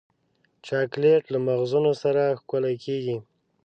چاکلېټ له مغزونو سره ښکلی کېږي.